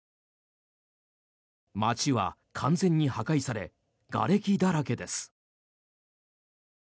街は完全に破壊されがれきだらけです。